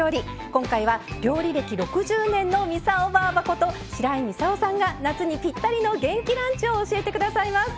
今回は料理歴６０年の操ばぁばこと、白井操さんが夏にぴったりの元気ランチを教えてくださいます。